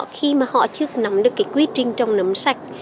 khi mà họ chưa nắm được cái quy trình trồng nấm sạch